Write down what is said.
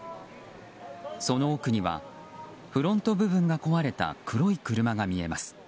その奥にはフロント部分が壊れた黒い車が見えます。